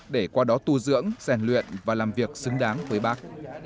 để qua đó tu dưỡng rèn luyện và làm việc xứng đáng với bác